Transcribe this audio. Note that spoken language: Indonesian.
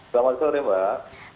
selamat sore mbak